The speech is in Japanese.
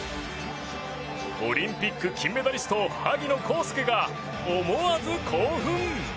オリンピック金メダリスト萩野公介が思わず興奮！